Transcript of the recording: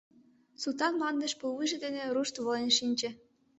Султан мландыш пулвуйжо дене рушт волен шинче.